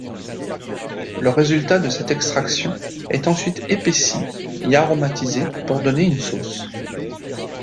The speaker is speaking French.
Le résultat de cette extraction est ensuite épaissi et aromatisé pour donner une sauce.